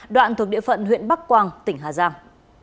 đoạn thuộc địa phận huyện bắc quang tỉnh hà giang